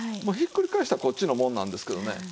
もうひっくり返したらこっちのもんなんですけどね